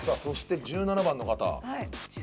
はい１７番の方。